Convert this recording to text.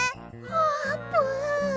あーぷん！